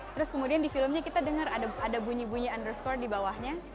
terus kemudian di filmnya kita dengar ada bunyi bunyi underscore di bawahnya